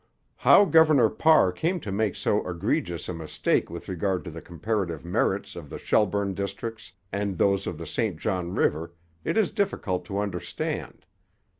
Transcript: How Governor Parr came to make so egregious a mistake with regard to the comparative merits of the Shelburne districts and those of the St John river it is difficult to understand.